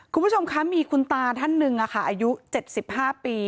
คุณผู้ชมคะมีคุณตาท่านหนึ่งอ่ะค่ะอายุเจ็ดสิบห้าปี